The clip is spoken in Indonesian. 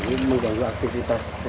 ini mengganggu aktivitas